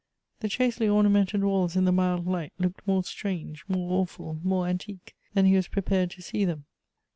The chastely ornamented walls in the mild light looked more strange, more awful, more antique, than he was prepared to see them.